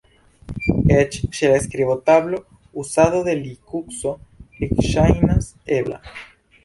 Eĉ ĉe la skribotablo, uzado de Linukso ekŝajnas ebla.